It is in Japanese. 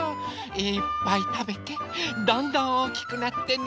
いっぱいたべてどんどんおおきくなってね。